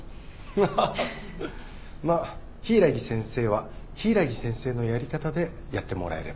ハハハまっ柊木先生は柊木先生のやり方でやってもらえれば。